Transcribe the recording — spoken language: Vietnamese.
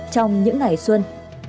trong những ngày xuân